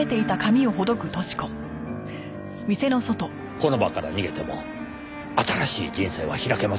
この場から逃げても新しい人生は開けませんよ。